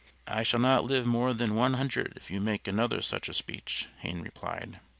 "I shall not live more than one hundred if you make another such a speech," Hayne replied.